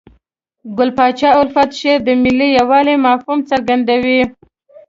ګل پاچا الفت شعر د ملي یووالي مفهوم څرګندوي.